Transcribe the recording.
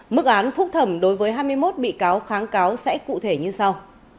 mức án phúc thẩm đối với hai mươi một bị cáo kháng cáo sẽ cụ thể như sau